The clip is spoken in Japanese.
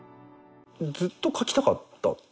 ずっと書きたかったんですか？